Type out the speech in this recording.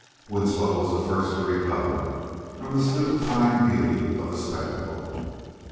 Winslow was the first to recover from the stupefying beauty of the spectacle.